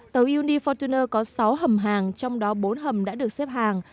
tàu unifortuner có sáu hầm hàng trong đó bốn hầm đã được xếp hàng